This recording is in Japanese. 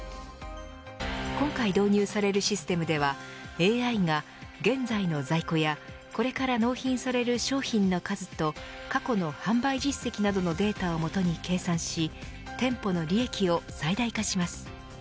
今回導入されるシステムではＡＩが現在の在庫やこれから納品される商品の数と過去の販売実績などのデータを基に計算し店舗の利益を最大化します。